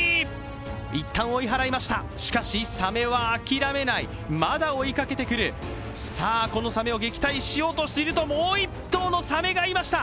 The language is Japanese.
一旦追い払いました、しかしサメは諦めない、まだ追いかけてくる、さあ、このサメを撃退しようとすると、もう１頭のサメがいました。